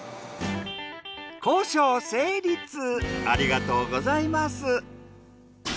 ありがとうございます。